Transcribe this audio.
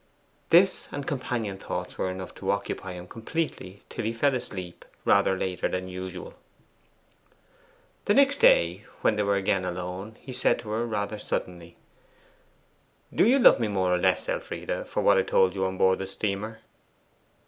This and companion thoughts were enough to occupy him completely till he fell asleep rather later than usual. The next day, when they were again alone, he said to her rather suddenly 'Do you love me more or less, Elfie, for what I told you on board the steamer?